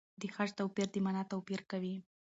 د خج توپیر د مانا توپیر کوي.